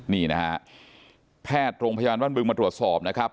นี่นะฮะแพทย์โรงพยาบาลบ้านบึงมาตรวจสอบนะครับ